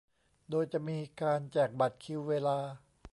โดยจะมีการแจกบัตรคิวเวลา